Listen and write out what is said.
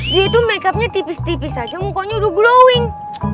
dia tuh makeupnya tipis tipis aja mukanya udah glowing